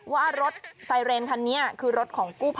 ว่ารถไซเรนคันนี้คือรถของกู้ภัย